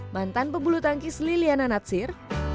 mantan pebulu tangkis liliana natsir